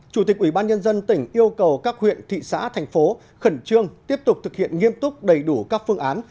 chủ tịch ubnd tỉnh yêu cầu các huyện thị xã thành phố khẩn trương tiếp tục thực hiện nghiêm túc đầy đủ các phương án